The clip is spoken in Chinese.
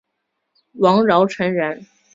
王尧臣人。